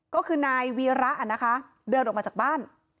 ก็คือนายวีระนะคะเดินออกมาจากบ้าน